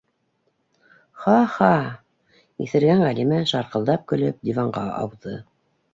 Ха-ха! - иҫергән Ғәлимә шарҡылдап көлөп диванға ауҙы.